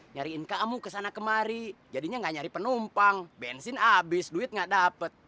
nyariin kamu kesana kemari jadinya nggak nyari penumpang bensin abis duit gak dapet